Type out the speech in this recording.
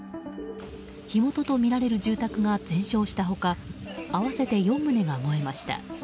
火元とみられる住宅が全焼した他合わせて４棟が燃えました。